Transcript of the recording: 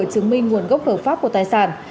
chứng minh nguồn gốc hợp pháp của tài sản